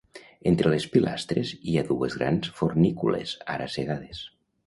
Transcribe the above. Entre les pilastres hi ha dues grans fornícules, ara cegades.